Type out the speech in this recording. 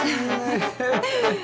フフフ。